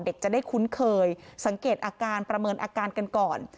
เด็กจะได้คุ้นเคยสังเกตอาการประเมินอาการกันก่อน